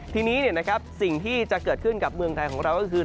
ทีนี้สิ่งที่จะเกิดขึ้นกับเมืองไทยของเราก็คือ